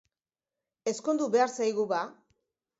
Ezkondu behar zaigu ba!